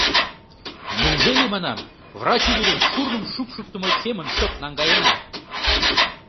Неужели, — манам, — врач ӱдырым шурным шупшыктымо семын шып наҥгаена?